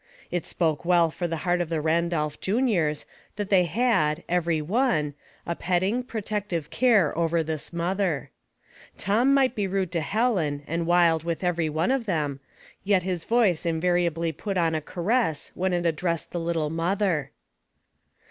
It spoke well for the heart of the Randolph juniors that they had, every one, a petting, protective care over this mother. Tom might be rude to Helen, and wild with every one of them, yet his voice invariably put on a caress when it addressed the little mother.